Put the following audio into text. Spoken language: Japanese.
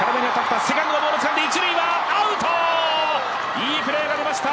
いいプレーが出ました